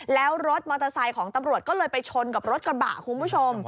แล้วรถมอเตอร์ไซค์ของตำรวจก็เลยไปชนกับรถกระบะคุณผู้ชม